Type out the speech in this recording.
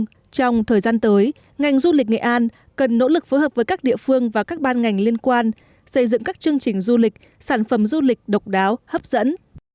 nhưng trong thời gian tới ngành du lịch nghệ an cần nỗ lực phối hợp với các địa phương và các ban ngành liên quan xây dựng các chương trình du lịch sản phẩm du lịch độc đáo hấp dẫn